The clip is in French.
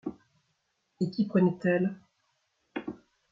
Et qui prenait-elle ?